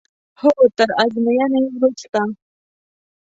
هو تر ازموینې وروسته.